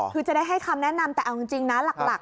คือจะได้ให้คำแนะนำแต่เอาจริงนะหลัก